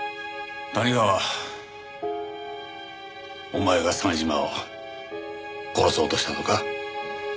お前が鮫島を殺そうとしたのか？